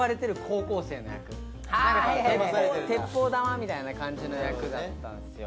鉄砲玉みたいな感じの役だったんすよ。